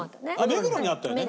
目黒にあったよね？